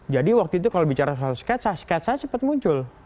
jadi waktu itu kalau bicara soal sketsa sketsa cepat muncul